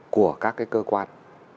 của các cơ quan